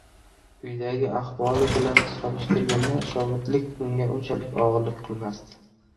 Uydagi ahvoli bilan solishtirganda, shogirdlik unga unchalik og'irlik qilmasdi.